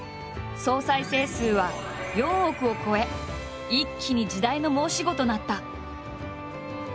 総再生数は４億を超え一気に時代の申し子となった。